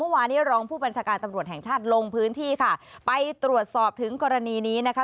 วานี้รองผู้บัญชาการตำรวจแห่งชาติลงพื้นที่ค่ะไปตรวจสอบถึงกรณีนี้นะคะ